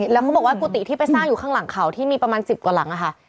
แล้วเขาบอกว่ากุฏิที่ไปสร้างอยู่ข้างหลังเขาที่มีประมาณ๑๐กว่าหลังค่ะ